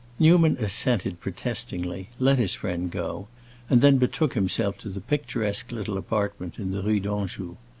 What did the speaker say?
Newman assented protestingly, let his friend go, and then betook himself to the picturesque little apartment in the Rue d'Anjou.